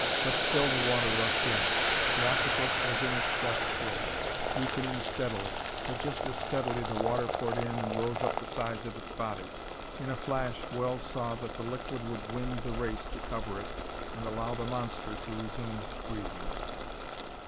But still the water rushed in. The octopus was in its death throes, weakening steadily but just as steadily the water poured in and rose up the sides of its body. In a flash Wells saw that the liquid would win the race to cover it and allow the monster to resume breathing.